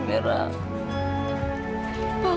penelab bowl kematbuanku